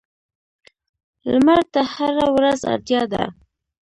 لمر ته هره ورځ اړتیا ده.